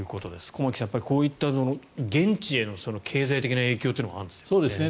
駒木さん、やっぱりこういった現地への経済的な影響があるんですね。